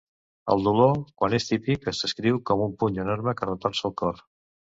El dolor, quan és típic es descriu com un puny enorme que retorça el cor.